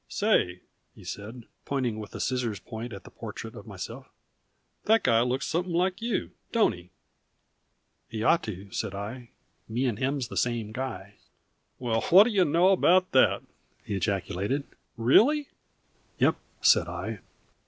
"Say," he said, pointing with the scissors point to the portrait of myself, "that guy looks sump'n like you, don't he?" "He ought to," said I. "Me and him's the same guy." "Well whaddyer know about that!" he ejaculated. "Really?" "Yep," said I.